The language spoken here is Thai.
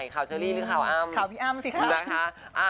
ข่าวพี่อ้ามสิค่ะ